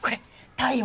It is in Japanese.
太陽？